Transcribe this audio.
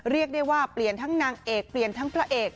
เรียกได้ว่าเปลี่ยนทั้งนางเอกเปลี่ยนทั้งพระเอก